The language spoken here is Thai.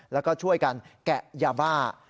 แล้วก็ช่วยกันแกะยาบ้า